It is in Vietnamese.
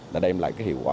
đã đem lại hiệu quả